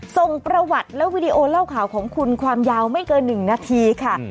ส่งประวัติและวิดีโอเล่าข่าวของคุณความยาวไม่เกิน๑นาทีค่ะ